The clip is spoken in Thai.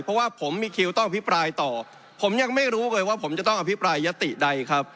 เพราะว่าผมมีคิวต้องอภิปรายต่อผมยังไม่รู้เลยว่าผมจะต้องอภิปรายยติใดครับ